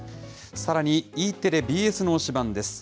さらに、Ｅテレ、ＢＳの推しバン！です。